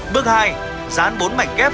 bước hai dán bốn mảnh ghép